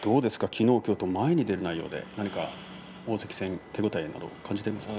きのう、きょうと前に出る内容で何か大関戦での手応えを感じていますか。